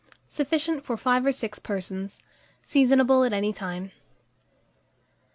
Sufficient for 5 or 6 persons. Seasonable at any time.